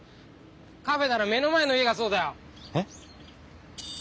カフェなら目の前の家がそうだよ。え？